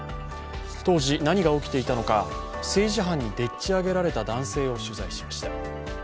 当時、何が起きていたのか、政治犯にでっち上げられた男性を取材しました。